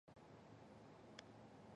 南克赖。